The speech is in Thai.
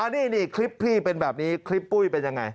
นี่คลิปพี่เป็นแบบนี้คลิปปุ้ยเป็นยังไง